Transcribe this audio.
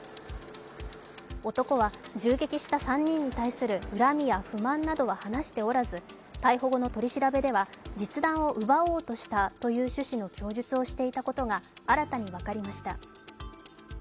男は銃撃した３人に対する恨みや不満などは話しておらず逮捕後の取り調べでは、実弾を奪おうとしたという趣旨の供述をしていたことが新たに分かりました。